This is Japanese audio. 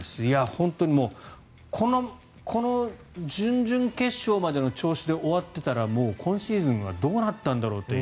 本当にこの準々決勝までの調子で終わっていたらもう今シーズンはどうなったんだろうっていう。